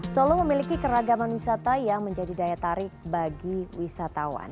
solo memiliki keragaman wisata yang menjadi daya tarik bagi wisatawan